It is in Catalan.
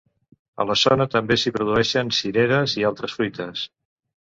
A la zona també s'hi produeixen cireres i altres fruites.